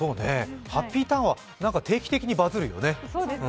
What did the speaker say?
ハッピーターンは定期的にバズるよね。